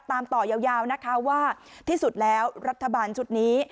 ตามต่อยาวนะคะว่าที่สุดแล้วรัฐบาลชุดนี้